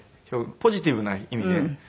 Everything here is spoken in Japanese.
ポジティブな意味で。